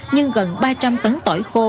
nhưng gần ba trăm linh tấn tỏi khô